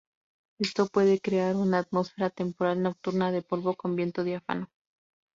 Esto puede crear una atmósfera temporal nocturna de polvo con viento diáfano.